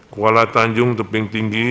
kuala tanjung tebing tinggi